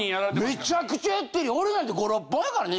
めちゃくちゃやってるよ。